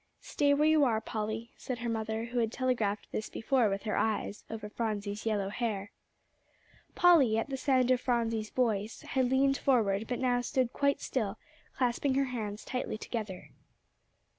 "Stay where you are, Polly," said her mother, who had telegraphed this before with her eyes, over Phronsie's yellow hair. Polly, at the sound of Phronsie's voice, had leaned forward, but now stood quite still, clasping her hands tightly together.